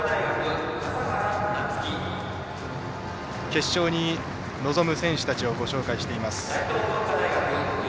決勝に臨む選手たちをご紹介しています。